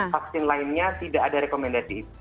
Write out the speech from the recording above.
vaksin lainnya tidak ada rekomendasi itu